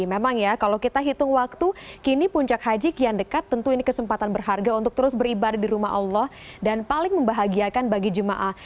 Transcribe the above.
memang ya kalau kita hitung waktu kini puncak haji kian dekat tentu ini kesempatan berharga untuk terus beribadah di rumah allah dan paling membahagiakan bagi jemaah